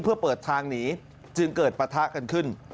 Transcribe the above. เพื่อเปิดทางหนีจึงเกิดปะทะกันขึ้น